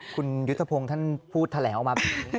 คุณยุทธพงศ์ท่านพูดแถลงออกมา